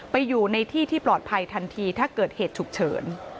ไปอยู่ในที่ที่ปลอดภัยทันทีถ้าเกิดเหตุฉุกเฉิน